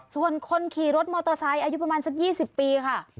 ส่วนคนขี่รถมอเตอร์ไซค์อายุประมาณสัก๒๐ปีค่ะ